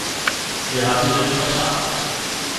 Wir haben den Vertrag.